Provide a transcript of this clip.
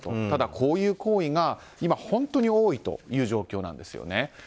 ただ、こういう行為が今、本当に多いという状況なんです。